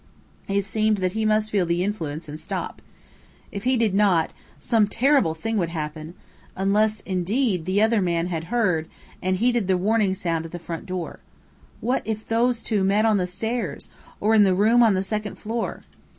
It seemed that he must feel the influence and stop. If he did not, some terrible thing would happen unless, indeed, the other man had heard and heeded the warning sound at the front door. What if those two met on the stairs, or in the room on the second floor?